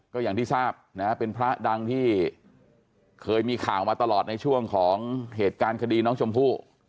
ก็อย่างที่ทราบนะฮะเป็นพระดังที่เคยมีข่าวมาตลอดในช่วงของเหตุการณ์คดีน้องชมพู่